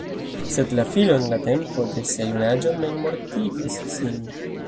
Sed la filo en la tempo de sia junaĝo memmortigis sin.